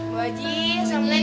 bu aji assalamualaikum